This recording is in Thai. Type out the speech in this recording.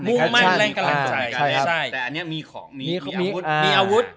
แต่อันนี้มีของมีอาวุธ